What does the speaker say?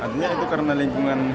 artinya itu karena lingkungan